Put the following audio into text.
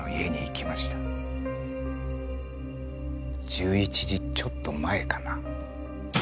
１１時ちょっと前かな？